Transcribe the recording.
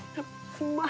うまっ。